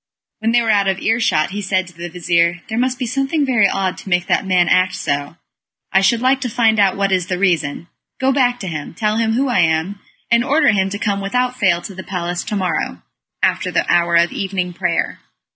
When they were out of earshot, he said to the vizir, "There must be something very odd to make that man act so I should like to find out what is the reason. Go back to him; tell him who I am, and order him to come without fail to the palace to morrow, after the hour of evening prayer."